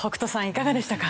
いかがでしたか？